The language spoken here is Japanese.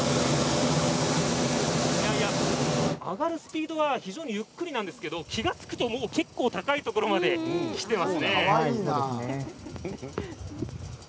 上がるスピードは非常にゆっくりなんですけど気がつくと結構高いところまできていますね。